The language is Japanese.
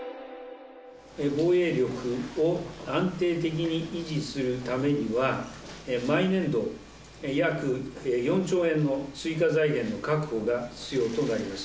防衛力を安定的に維持するためには、毎年度約４兆円の追加財源の確保が必要となります。